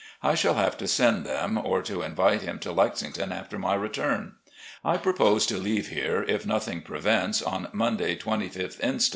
I shall have to send them, or to invite him to Lexington after my return. I propose to leave here, if nothing prevents, on Monday, 2Sth inst.